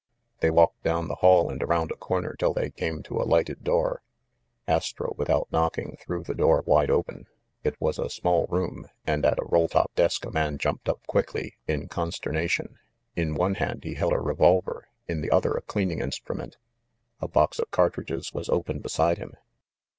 They walked down the hall and around a corner till they came to a lighted door. Astro, without knocking, threw the door wide open. It was a small room, and at a roll top desk a man jumped up quickly in conster 388 THE MASTER OF MYSTERIES nation. In one hand he held a revolver, in the other a cleaning instrument. A box of cartridges was open beside him.